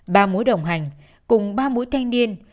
ba mũi đồng hành cùng ba mũi thanh niên